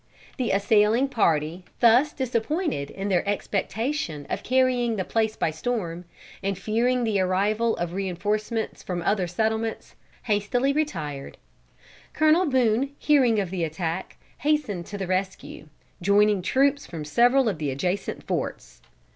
The assailing party, thus disappointed in their expectation of carrying the place by storm, and fearing the arrival of reinforcements from other settlements, hastily retired. Colonel Boone, hearing of the attack, hastened to the rescue, joining troops from several of the adjacent forts.